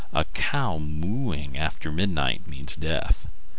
A cow mooing after midnight means death.